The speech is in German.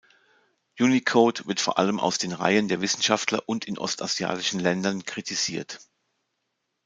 Unicode wird vor allem aus den Reihen der Wissenschaftler und in ostasiatischen Ländern kritisiert.